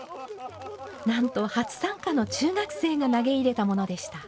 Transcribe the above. なんと初参加の中学生が投げ入れたものでした。